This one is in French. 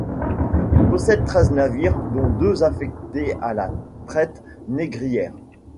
Il possède treize navires dont deux affectés à la traite négrière.